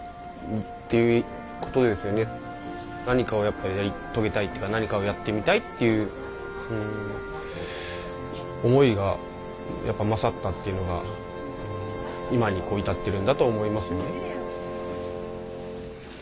何かをやっぱりやり遂げたいっていうか何かをやってみたいっていう思いがやっぱ勝ったっていうのが今に至ってるんだと思いますよね。